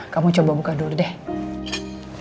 kamu coba buka dulu deh